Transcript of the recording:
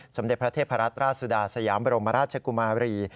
สมเด็จพระเทพรัตนราชสุดาสยามบรมราชกุมารี